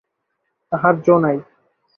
তাহার জো নাই।